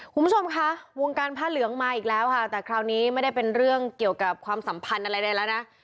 คุณผู้ชมคะวงการผ้าเหลืองมาอีกแล้วค่ะแต่คราวนี้ไม่ได้เป็นเรื่องเกี่ยวกับความสัมพันธ์อะไรใดแล้วนะ